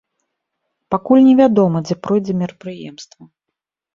Пакуль невядома, дзе пройдзе мерапрыемства.